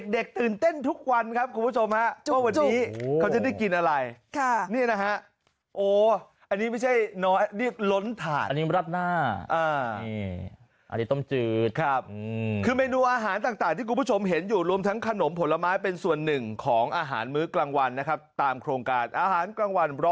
เด็กตื่นเต้นทุกวันครับคุณผู้ชมครับ